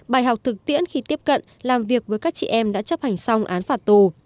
bài học thực tiễn khi tiếp cận làm việc với các chị em đã chấp hành xong án phạt tù